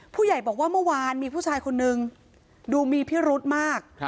ผู้ใหญ่บอกว่าเมื่อวานมีผู้ชายคนนึงดูมีพิรุธมาก